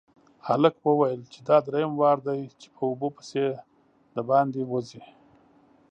هلک وويل چې دا دريم وار دی چې په اوبو پسې د باندې وځي.